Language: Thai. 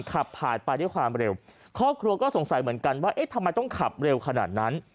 ขับผ่านไปด้วยความเร็วครอบครัวก็สงสัยเหมือนกันว่าเอ๊ะทำไมต้องขับเร็วขนาดนั้น